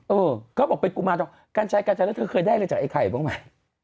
เออเขาบอกเป็นกุมาตรการใช้การใช้แล้วเธอเคยได้เลยจากไอ้ไข่บ้างไหม